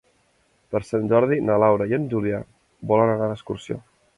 Per Sant Jordi na Laura i en Julià volen anar d'excursió.